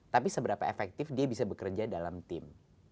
tapi seberapa efektif dia bisa bekerja dalam tim